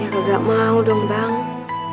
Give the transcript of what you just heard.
ya gak mau dong bang